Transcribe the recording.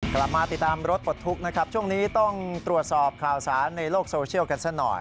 กลับมาติดตามรถปลดทุกข์นะครับช่วงนี้ต้องตรวจสอบข่าวสารในโลกโซเชียลกันซะหน่อย